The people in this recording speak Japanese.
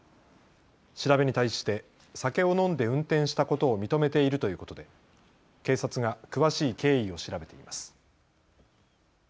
調べに対して酒を飲んで運転したことを認めているということで警察が詳しい経緯を調べています。